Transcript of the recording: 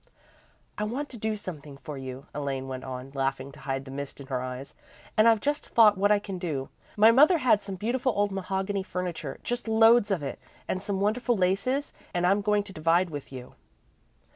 "I want to do something for you," Elaine went on, laughing to hide the mist in her eyes, "and I've just thought what I can do. My mother had some beautiful old mahogany furniture, just loads of it, and some wonderful laces, and I'm going to divide with you."